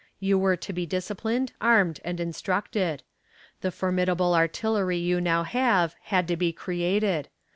You were to be disciplined, armed and instructed. The formidable artillery you now have had to be created.